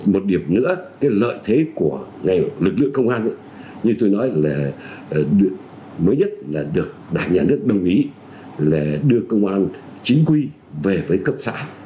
một điểm nữa cái lợi thế của lực lượng công an như tôi nói là mới nhất là được đảng nhà nước đồng ý là đưa công an chính quy về với cấp xã